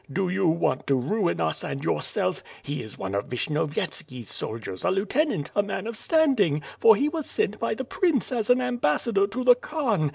Do you want to ruin us and yourself? He is one of Vishnyovyetski's soldiers, a lieutenant, a man of standing, for he was sent by the prince as an ambassador to the Khan.